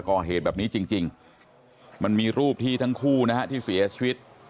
ก่อเหตุแบบนี้จริงมันมีรูปที่ทั้งคู่นะฮะที่เสียชีวิต